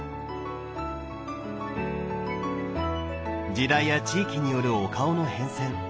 時代や地域によるお顔の変遷。